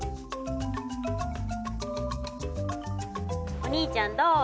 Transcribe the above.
お兄ちゃんどうぞ。